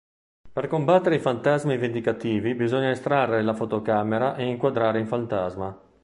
Per combattere i fantasmi vendicativi bisogna estrarre la fotocamera e inquadrare il fantasma.